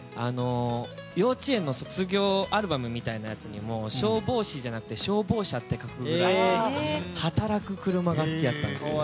幼稚園の卒業アルバムみたいなやつの中でも消防士じゃなくて消防車って書くぐらい働く車が好きだったんです。